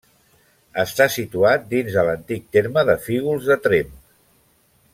Està situat dins de l'antic terme de Fígols de Tremp.